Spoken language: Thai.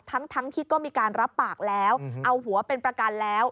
ทั้งที่ก็มีการรับปากแล้วเอาหัวเป็นประกันแล้ว